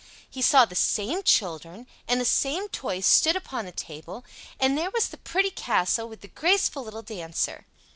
he saw the same children, and the same toys stood upon the table; and there was the pretty castle with the graceful little Dancer.